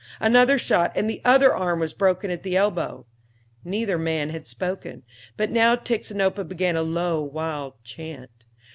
Another shot and the other arm was broken at the elbow. Neither man had spoken, but now Tixinopa began a low, wild chant.